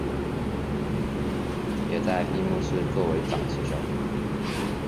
也在闭幕式作为掌旗手。